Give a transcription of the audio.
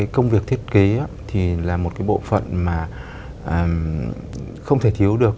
công việc thiết kế là một bộ phận không thể thiếu được